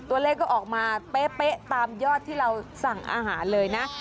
ตัวเลขก็ออกมาเป๊ะตามยอดที่เราสั่งอาหารเลยนะ